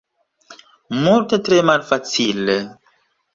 Multe tre malfacile.